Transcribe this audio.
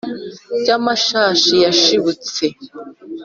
by’amashashi yashibutse